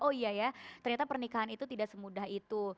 oh iya ya ternyata pernikahan itu tidak semudah itu